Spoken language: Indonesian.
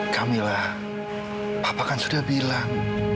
kamilah papa kan sudah bilang